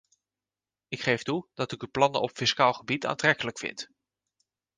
Ik geef toe dat ik uw plannen op fiscaal gebied aantrekkelijk vind.